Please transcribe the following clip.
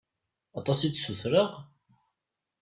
Aṭas i d-ssutreɣ?